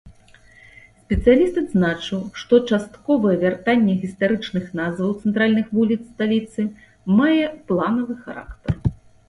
Спецыяліст адзначыў, што частковае вяртанне гістарычных назваў цэнтральных вуліц сталіцы мае планавы характар.